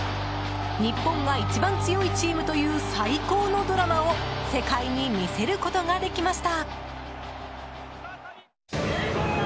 日本が一番強いチームという最高のドラマを世界に見せることができました。